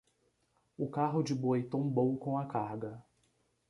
O carro de boi tombou com a carga